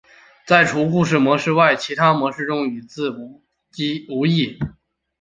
在除故事模式外的其他模式中则与自机无异。